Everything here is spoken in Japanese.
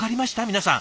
皆さん。